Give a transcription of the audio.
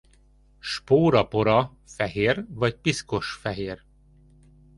Spórapora fehér vagy piszkosfehér.